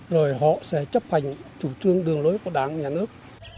rồi họ sẽ chấp hành chủ trương đường lối của đảng nhà nước